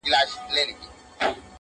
چي تازه هوا مي هره ورځ لرله!!